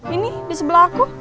ini di sebelah aku